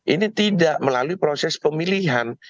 ini tidak melalui proses pemilihan